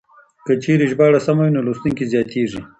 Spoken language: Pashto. که چېرې ژباړه سمه وي نو لوستونکي زياتېږي.